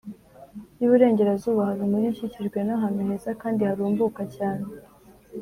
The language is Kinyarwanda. y’iburengerazuba hari umugi ukikijwe n’ahantu heza kandi harumbuka cyane